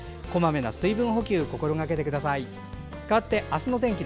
水分補給を心がけてください。